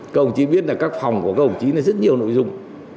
các đồng chí biết là các phòng của các đồng chí rất nhiều nội dung